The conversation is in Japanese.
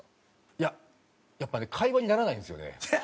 いややっぱね会話にならないんですよね。